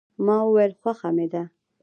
ما وویل، خوښه مې ده.